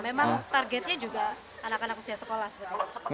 memang targetnya juga anak anak usia sekolah sebenarnya